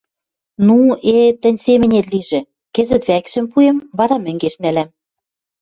Ну, э, тӹнь семӹнет лижӹ: кӹзӹт вӓкшӹм пуэм, вара мӹнгеш нӓлӓм.